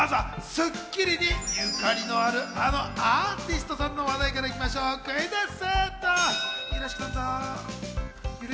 まずは『スッキリ』にゆかりのあるあのアーティストさんの話題からクイズッス。